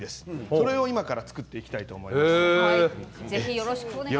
それを今から作っていきたいと思います。